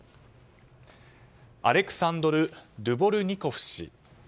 アレクサンドル・ドゥボルニコフ氏。